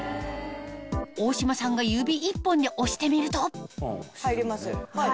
大島さんが指一本で押してみると入ります。